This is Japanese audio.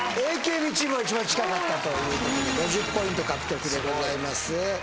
ＡＫＢチームが一番近かったということで５０ポイント獲得でございます